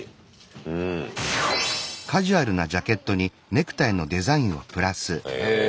うん。へえ。